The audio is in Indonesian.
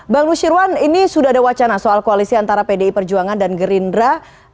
bang nusyirwan ini sudah ada wacana soal koalisi antara pdi perjuangan dan gerindra